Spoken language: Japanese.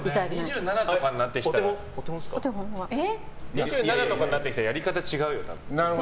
２７とかになってきたらやり方違うよ、多分。